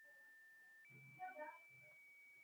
احمد د کار پړه پر ځان کېښوده.